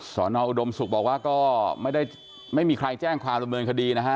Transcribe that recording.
สอนออุดมศุกร์บอกว่าก็ไม่ได้ไม่มีใครแจ้งความดำเนินคดีนะฮะ